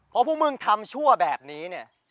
เพราะพวกมึงทำชั่วแบบนี้